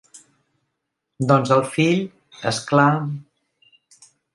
Doncs el fill, és clar...